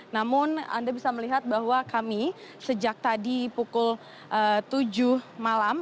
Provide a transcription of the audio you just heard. namun anda bisa melihat bahwa kami sejak tadi pukul tujuh malam